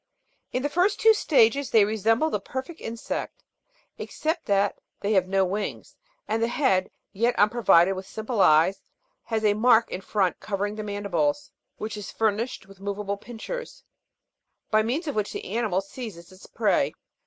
In the two first states they resemble the perfect insect, except that they have no wings, and the head, yet unpro vided with simple eyes, has a mark in front covering the mandi bles, which is furnished with movable pincers, by means of which the animal seizes its prey.